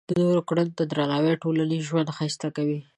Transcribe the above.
د نورو کړنو ته درناوی ټولنیز ژوند ښایسته کوي.